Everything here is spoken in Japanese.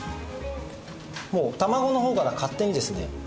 もう卵の方から勝手にですね